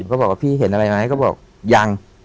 ก็บอกว่าพี่เห็นอะไรไหมก็บอกยัง